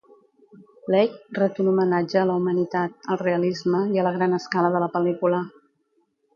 Leigh ret un homenatge a la humanitat, al realisme i a la gran escala de la pel·lícula.